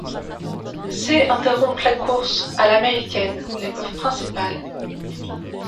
Ces interrompent la course à l'américaine, l'épreuve principale.